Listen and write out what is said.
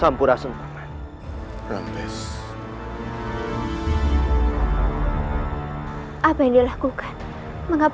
dan kita harus mengambil kekuatan yang baik untuk mencari penyelamatan yang baik